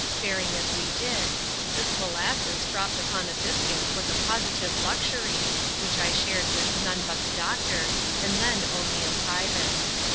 Faring as we did, this mo lasses dropped upon a biscuit was a positive luxury^ which I shared with none but the doctcMr, and then onlj in private.